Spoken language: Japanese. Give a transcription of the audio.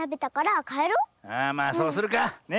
ああまあそうするか。ね。